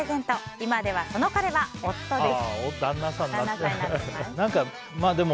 今ではその彼は夫です。